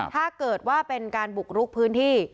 ถ้าเกิดว่าเป็นการบุกรุกพื้นที่